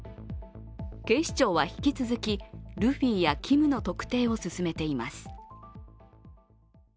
警視庁は引き続き、ルフィやＫｉｍの特定を進めています。